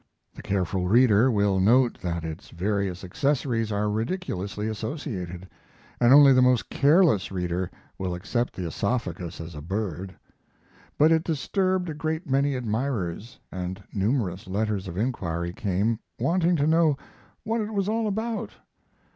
The careful reader will, note that its various accessories are ridiculously associated, and only the most careless reader will accept the oesophagus as a bird. But it disturbed a great many admirers, and numerous letters of inquiry came wanting to know what it was all about.